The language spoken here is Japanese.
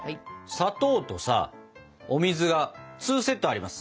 砂糖とさお水が２セットあります。